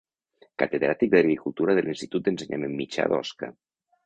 Catedràtic d'Agricultura de l'Institut d'Ensenyament Mitjà d'Osca.